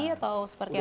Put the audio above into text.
atau seperti apa